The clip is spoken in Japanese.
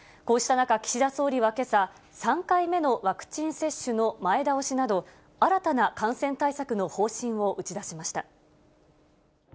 こうした中、岸田総理はけさ、３回目のワクチン接種の前倒しなど、新たな感染対策の方針を打ち出しました。